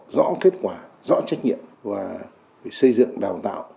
rõ kết quả rõ trách nhiệm và xây dựng đào tạo